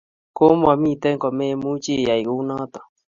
Komomite komemuchi iyai kounoto